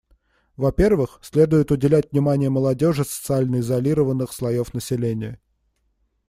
Во-первых, следует уделять внимание молодежи социально изолированных слоев населения.